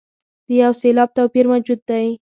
د یو سېلاب توپیر موجود دی.